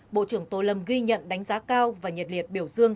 bộ trưởng tô lâm ghi nhận đánh giá cao và nhiệt liệt biểu dương